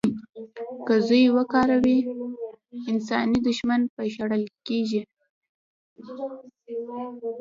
که زور وکاروي، انساني دوښمن به شړل کېږي.